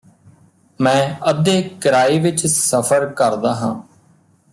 ਮੈਂ ਅੱਧੇ ਕਿਰਾਏ ਵਿਚ ਸਫ਼ਰ ਕਰਦਾ ਹਾਂ